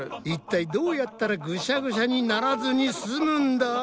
一体どうやったらグシャグシャにならずに済むんだ？